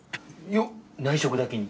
よっ内職だけに！